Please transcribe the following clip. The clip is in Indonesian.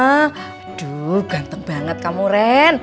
aduh ganteng banget kamu ren